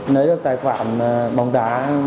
lấy được tài khoản bóng đá